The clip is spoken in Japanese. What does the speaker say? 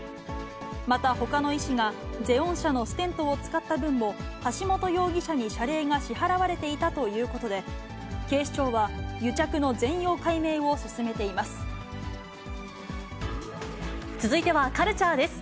また、ほかの医師がゼオン社のステントを使った分も、橋本容疑者に謝礼が支払われていたということで、警視庁は癒着の続いてはカルチャーです。